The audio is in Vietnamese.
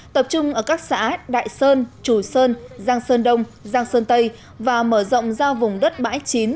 tập trung ở các xã đại sơn chù sơn giang sơn đông giang sơn tây và mở rộng giao vùng đất bãi chín